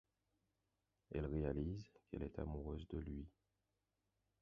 Elle réalise qu'elle est amoureuse de lui.